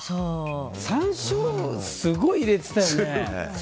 山椒、すごい入れてたよね。